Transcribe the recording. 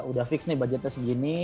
udah fix nih budgetnya segini